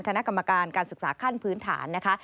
คณะกรรมการการศึกษาขั้นพื้นฐานนะคะ